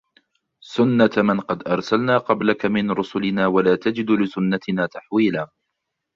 سُنَّةَ مَنْ قَدْ أَرْسَلْنَا قَبْلَكَ مِنْ رُسُلِنَا وَلَا تَجِدُ لِسُنَّتِنَا تَحْوِيلًا